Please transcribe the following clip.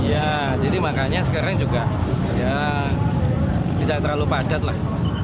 ya jadi makanya sekarang juga ya tidak terlalu padat lah